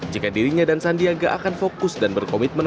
jika dirinya dan sandiaga akan fokus dan berkomitmen